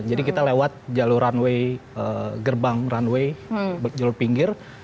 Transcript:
jadi kita lewat jalur runway gerbang runway jalur pinggir